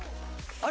あれ？